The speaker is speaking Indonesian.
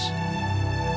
sampai ketemu lagi